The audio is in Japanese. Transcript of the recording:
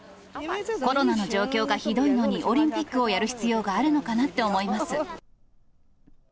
コロナの状況がひどいのに、オリンピックをやる必要があるのかなと思います。